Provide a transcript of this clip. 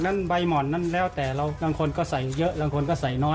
ใบห่อนนั้นแล้วแต่เราบางคนก็ใส่เยอะบางคนก็ใส่น้อย